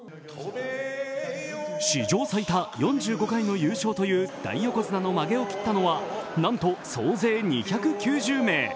史上最多４５回の優勝という大横綱のまげを切ったのはなんと総勢２９０名。